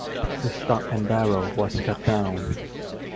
The stock and barrel was cut down.